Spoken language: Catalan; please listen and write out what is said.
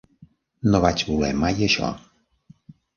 'No vaig voler mai això'.